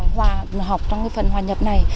học trong phần hòa nhập này